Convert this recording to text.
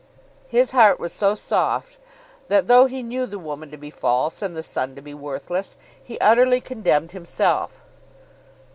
His heart was so soft that though he knew the woman to be false and the son to be worthless, he utterly condemned himself.